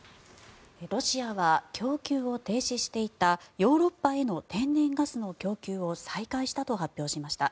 ロシアは供給を停止していたヨーロッパへの天然ガスの供給を再開したと発表しました。